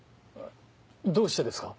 どうしてですか？